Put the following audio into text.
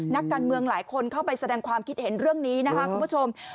นักการเมืองหลายคนเข้าไปแสดงความคิดเห็นเรื่องนี้นะคะคุณผู้ชม